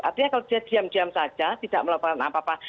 artinya kalau dia diam diam saja tidak melakukan apa apa